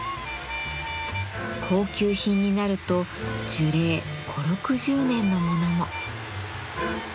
高級品になると樹齢５０６０年のものも。